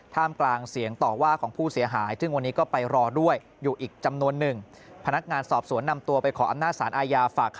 ท่ามกลางเสียงต่อว่าของผู้เสียหาย